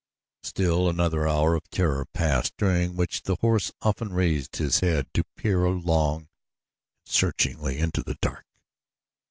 Still another hour of terror passed during which the horse often raised his head to peer long and searchingly into the dark.